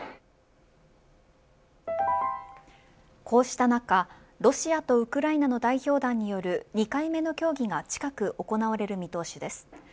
こうした中ロシアとウクライナの代表団による２回目の協議が近く行われる見通しです。